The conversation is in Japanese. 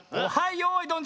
よいどん」